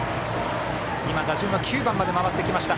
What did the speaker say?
今、打順は９番まで回ってきました。